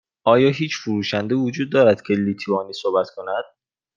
آیا هیچ فروشنده وجود دارد که لیتوانی صحبت کند؟